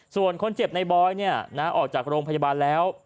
ส่วนคนเจ็บในบอยออกจากโรงพยาบาลแล้ว